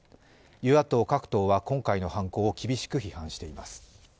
与野党各党は今回の犯行を厳しく批判しています。